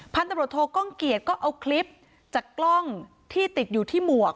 พันธุ์ตำรวจโทก้องเกียจก็เอาคลิปจากกล้องที่ติดอยู่ที่หมวก